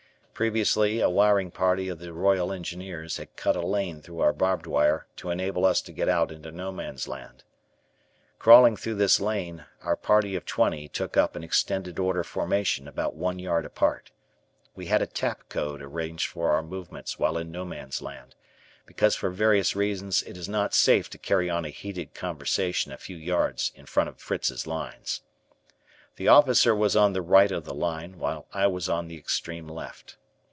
Previously, a wiring party of the Royal Engineers had cut a lane through our barbed wire to enable us to get out into No Man's Land. Crawling through this lane, our party of twenty took up an extended order formation about one yard apart. We had a tap code arranged for our movements while in No Man's Land, because for various reasons it is not safe to carry on a heated conversation a few yards in front of Fritz's lines. The officer was on the right of the line, while I was on the extreme left.